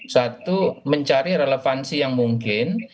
satu mencari relevansi yang mungkin